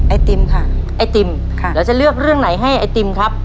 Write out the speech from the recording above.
ไอติมค่ะไอติมค่ะแล้วจะเลือกเรื่องไหนให้ไอติมครับ